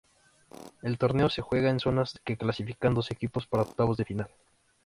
El torneo se juega en zonas que clasifican dos equipos para octavos de final.